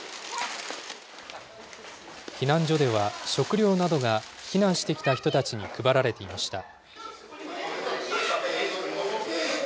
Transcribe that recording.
避難所では、食料などが避難してきた人たちに配られていました。